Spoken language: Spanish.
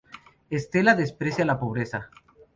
Estela desprecia la pobreza.